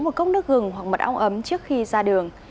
một cốc nước gừng hoặc mật ong ấm trước khi ra đường